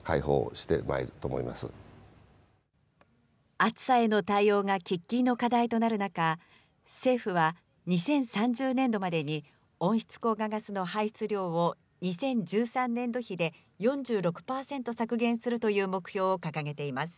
暑さへの対応が喫緊の課題となる中、政府は２０３０年度までに、温室効果ガスの排出量を２０１３年度比で４６％削減するという目標を掲げています。